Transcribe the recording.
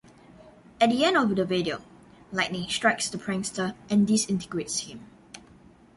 At the end of the video, lightning strikes the prankster and disintegrates him.